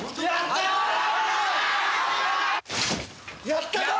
やったぞ！